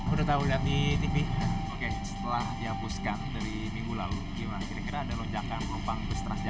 udah tau lihat di tim nih setelah dihapuskan dari minggu lalu kira kira ada lonjakan penumpang